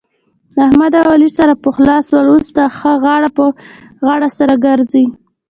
احمد اوعلي سره پخلا سول. اوس ښه غاړه په غاړه سره ګرځي.